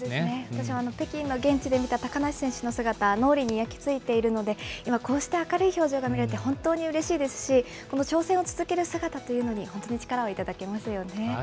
私も現地で見た高梨選手の姿、脳裏に焼きついているので、今、こうして明るい表情が見れて、本当にうれしいですし、この挑戦を続ける姿というのに、本当に力を頂きますよね。